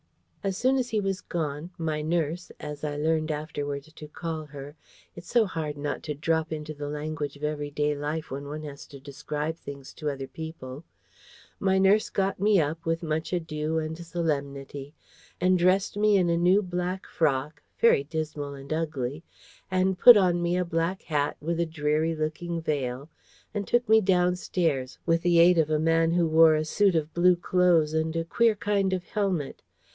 As soon as he was gone, my nurse, as I learned afterwards to call her, it's so hard not to drop into the language of everyday life when one has to describe things to other people, my nurse got me up, with much ado and solemnity, and dressed me in a new black frock, very dismal and ugly, and put on me a black hat, with a dreary looking veil; and took me downstairs, with the aid of a man who wore a suit of blue clothes and a queer kind of helmet.